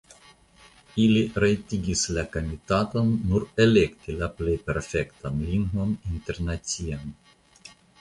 Ili rajtigis la Komitaton nur elekti la plej perfektan lingvon internacian.